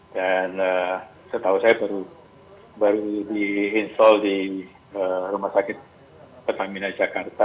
dan setahu saya baru di install di rumah sakit petamina jakarta